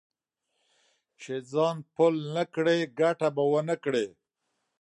چې ځان پل نه کړې؛ ګټه به و نه کړې.